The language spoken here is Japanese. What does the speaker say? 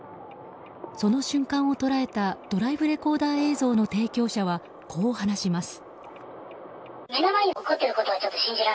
その瞬間を捉えたドライブレコーダー映像の提供者はこう話します。